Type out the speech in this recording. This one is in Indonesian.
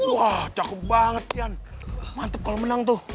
wah cakup banget yan mantep kalau menang tuh